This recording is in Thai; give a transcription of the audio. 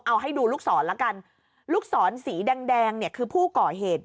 เอาให้ดูลูกศรแล้วกันลูกศรสีแดงแดงเนี่ยคือผู้ก่อเหตุ